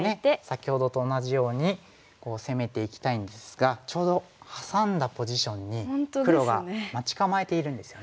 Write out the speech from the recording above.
先ほどと同じように攻めていきたいんですがちょうどハサんだポジションに黒が待ち構えているんですよね。